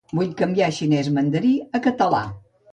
Vull canviar xinès mandarí a català.